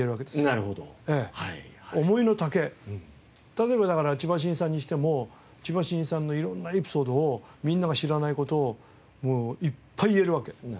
例えばだから千葉真一さんにしても千葉真一さんの色んなエピソードをみんなが知らない事をもういっぱい言えるわけ。